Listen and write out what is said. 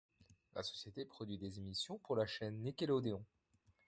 La société produit des émissions pour la chaine Nickelodeon.